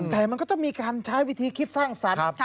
แต่มันก็ต้องมีการใช้วิธีคิดสร้างสรรค์